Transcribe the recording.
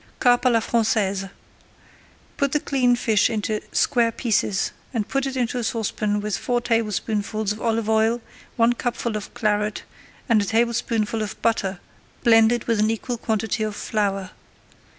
[Page 85] CARP À LA FRANÇAISE Cut the cleaned fish into square pieces and put it into a saucepan with four tablespoonfuls of olive oil, one cupful of Claret, and a tablespoonful of butter blended with an equal quantity of flour.